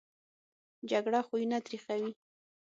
جګړه خویونه تریخوي